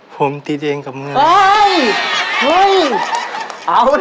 ผมติดเองกับมึง